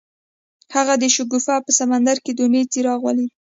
هغه د شګوفه په سمندر کې د امید څراغ ولید.